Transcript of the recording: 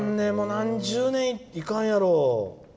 何十年行かんやろ。